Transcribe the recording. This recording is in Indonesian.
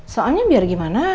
soalnya biar gimana